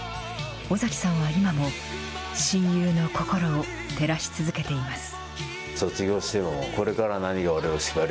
尾崎さんは今も、親友の心を照らし続けています。